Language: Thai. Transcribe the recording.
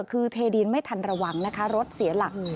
คือเทดินไม่ทันระวังนะคะรถเสียหลัก